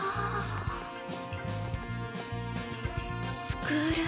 スクール。